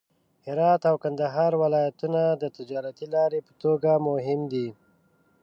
هرات او کندهار ولایتونه د تجارتي لارې په توګه مهم دي.